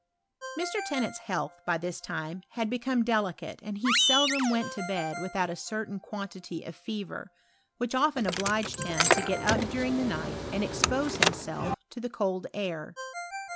Mr. Tennant's health, by this time, had become delicate, and he seldom went to bed without a c tain quantity of fever, which often obliged him to get up during the night and expose himself to the cold air.